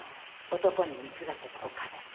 男に貢がせたお金で。